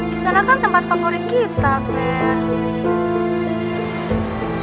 di sana kan tempat favorit kita fair